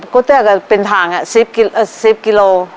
ก็จะเป็นทาง๑๐กิโล